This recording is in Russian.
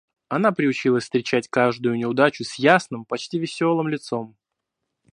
Она приучилась встречать каждую неудачу с ясным, почти весёлым лицом.